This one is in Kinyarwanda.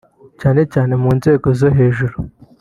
cyane cyane mu nzego zo hejuru